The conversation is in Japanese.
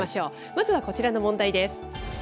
まずはこちらの問題です。